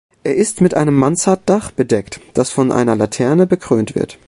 Er ist mit einem Mansarddach bedeckt, das von einer Laterne bekrönt wird.